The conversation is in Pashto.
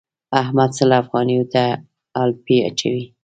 احمد سل افغانيو ته الاپی اچوي.